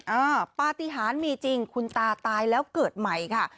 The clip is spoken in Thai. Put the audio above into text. อ่าปฏิหารมีจริงคุณตาตายแล้วเกิดใหม่ค่ะ